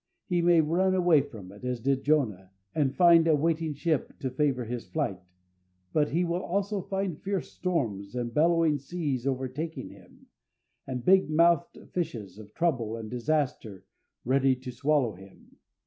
He may run away from it, as did Jonah, and find a waiting ship to favour his flight; but he will also find fierce storms and bellowing seas overtaking him, and big mouthed fishes of trouble and disaster ready to swallow him.